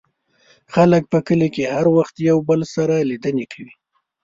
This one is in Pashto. خلک په کلي کې هر وخت یو بل سره لیدنې کوي.